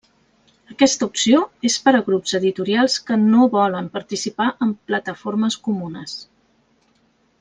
Aquesta opció és per a grups editorials que no volen participar en plataformes comunes.